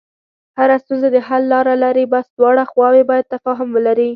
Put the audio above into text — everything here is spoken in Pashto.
هره ستونزه د حل لاره لري، بس دواړه خواوې باید تفاهم ولري.